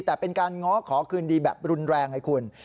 แต่เป็นการง้อขอคืนดีแบบรุนแรงไงคุณ